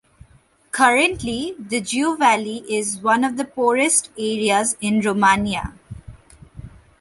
Currently, the Jiu Valley is one of the poorest areas in Romania.